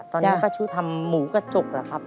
ตอนนี้ป้าชู้ทำหมูกระจกเหรอครับ